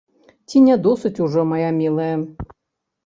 Ці не досыць ужо, мая мілая?